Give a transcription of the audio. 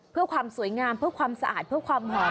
เพื่อความสวยงามเพื่อความสะอาดเพื่อความหอม